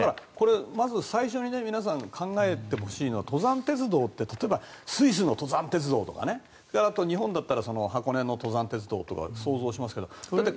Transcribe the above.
まず最初に皆さん考えてほしいのは登山鉄道って例えば、スイスの登山鉄道とか日本だったら箱根の登山鉄道とか想像しますが。